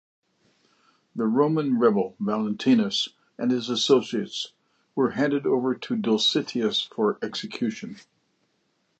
The Roman rebel Valentinus and his associates were handed over to Dulcitius for execution.